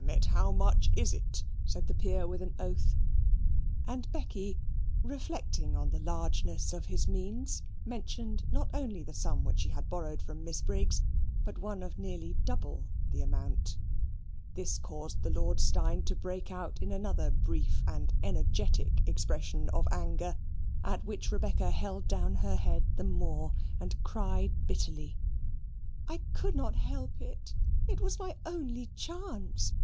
it, how much is it?" said the Peer with an oath. And Becky, reflecting on the largeness of his means, mentioned not only the sum which she had borrowed from Miss Briggs, but one of nearly double the amount. This caused the Lord Steyne to break out in another brief and energetic expression of anger, at which Rebecca held down her head the more and cried bitterly. "I could not help it. It was my only chance.